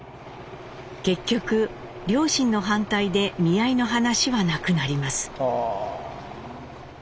結局両親の反対で見合いの話はなくなります。